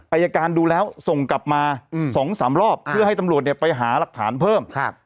อ่าอายการดูแล้วส่งกลับมาอืมสองสามรอบเพื่อให้ตำรวจเนี่ยไปหารักฐานเพิ่มครับ